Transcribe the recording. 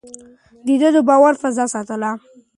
ده د باور فضا ساتله.